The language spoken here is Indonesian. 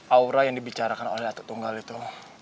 aura yang dibicarakan oleh atlet tunggal itu